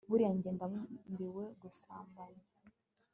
buriya njye ndambiwe gusambanya